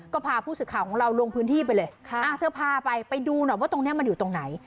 ก็พาผู้สื่อข่าวของเราลงพื้นที่ไปเลยเธอพาไปไปดูหน่อยว่าตรงนี้มันอยู่ตรงไหน